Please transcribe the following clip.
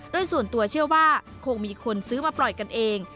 โดยส่วนตัวเชื่อว่าคงมีคนซื้อมาปล่อยกันเอง